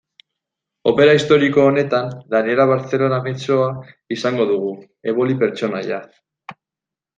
Opera historiko honetan, Daniella Barcellona mezzoa izango dugu, Eboli pertsonaian.